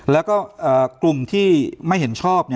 แล้วก็กลุ่มที่ไม่เห็นชอบ